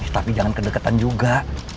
tapi jangan kedekatan juga